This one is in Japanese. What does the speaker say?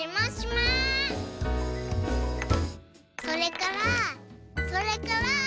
それからそれから。